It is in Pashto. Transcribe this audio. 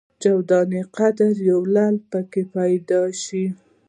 جو دانې قدر یو لعل په کې پیدا شي.